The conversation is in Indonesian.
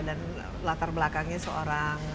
dan latar belakangnya seorang